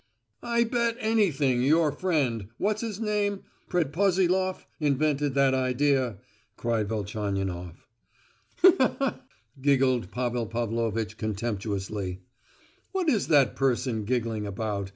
"I bet anything your friend—what's his name?—Predposiloff invented that idea," cried Velchaninoff. "He he he!" giggled Pavel Pavlovitch contemptuously. "What is that person giggling about?